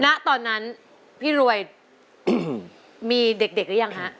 ณตอนนั้นพี่รวยมีเด็กหรือยังฮะ